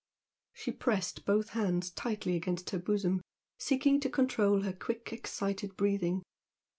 She pressed both hands tightly against her bosom, seeking to control her quick, excited breathing.